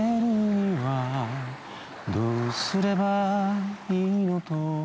「どうすればいいのと」